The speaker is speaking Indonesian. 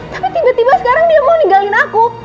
tapi tiba tiba sekarang dia mau nigalin aku